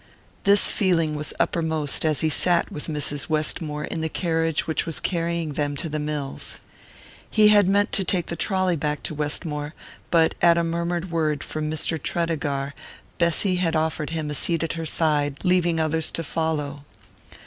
This feeling was uppermost as he sat with Mrs. Westmore in the carriage which was carrying them to the mills. He had meant to take the trolley back to Westmore, but at a murmured word from Mr. Tredegar Bessy had offered him a seat at her side, leaving others to follow.